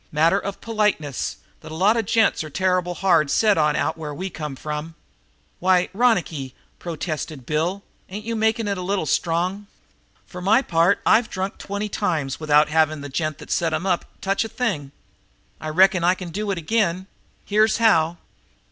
"Matter of politeness that a lot of gents are terrible hard set on out where we come from." "Why, Ronicky," protested Bill Gregg, "ain't you making it a little strong? For my part I've drunk twenty times without having the gent that set 'em up touch a thing. I reckon I can do it again. Here's how!"